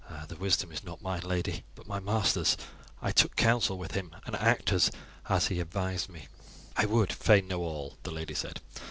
"The wisdom is not mine, lady, but my master's. I took counsel with him, and acted as he advised me. "I would fain know all," the lady said.